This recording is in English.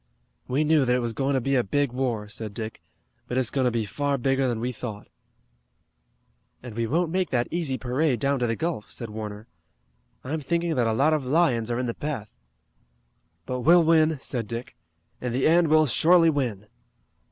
"We knew that it was going to be a big war," said Dick, "but it's going to be far bigger than we thought." "And we won't make that easy parade down to the Gulf," said Warner. "I'm thinking that a lot of lions are in the path." "But we'll win!" said Dick. "In the end we'll surely win!"